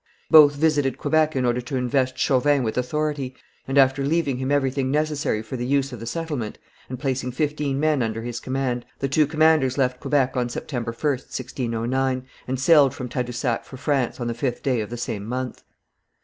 Both visited Quebec in order to invest Chauvin with authority, and after leaving him everything necessary for the use of the settlement, and placing fifteen men under his command, the two commanders left Quebec on September 1st, 1609, and sailed from Tadousac for France on the fifth day of the same month.